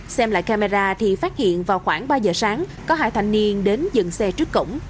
xem lại camera thì phát hiện vào khoảng ba giờ sáng có hai thanh niên đến dừng xe trước cổng